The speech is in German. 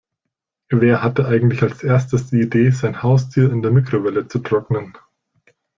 Wer hatte eigentlich als Erstes die Idee, sein Haustier in der Mikrowelle zu trocknen?